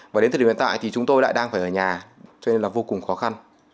và đến thời điểm hiện tại thì chúng tôi lại đang phải ở nhà cho nên là vô cùng khó khăn